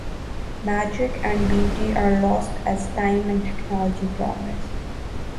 Magic and beauty are lost as time and technology progress.